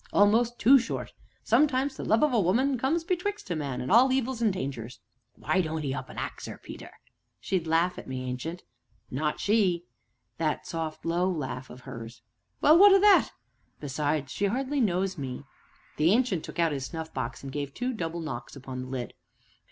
almost too short, sometimes, the love of a woman comes betwixt a man an' all evils an' dangers why don't 'ee up an' ax 'er, Peter?" "She'd laugh at me, Ancient." "Not she." "That soft, low laugh of hers." "Well, what o' that?" "Besides, she hardly knows me!" The Ancient took out his snuff box and gave two loud double knocks upon the lid.